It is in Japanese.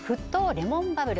レモンバブル